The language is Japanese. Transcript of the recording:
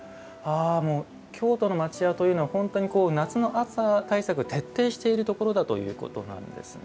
京都の町家というのは本当にこう夏の暑さ対策を徹底しているところだということなんですね。